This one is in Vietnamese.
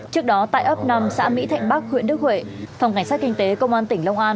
trước đó tại ấp năm xã mỹ thạnh bắc huyện đức huệ phòng cảnh sát kinh tế công an tỉnh long an